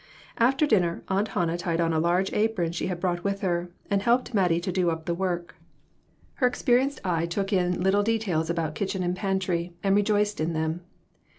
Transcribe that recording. After dinner Aunt Hannah tied on a large apron she had brought with her, and helped Mat tie do up the work. Her experienced eye took RECONCILIATIONS. 1 2 I in little details about kitchen and pantry, and rejoiced in them.